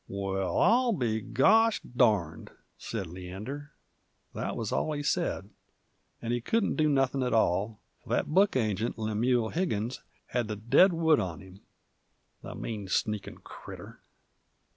"Waal, I'll be gosh durned!" sez Leander. That wuz all he said, and he couldn't do nothin' at all, f'r that book agent, Lemuel Higgins, had the dead wood on him, the mean, sneakin' critter!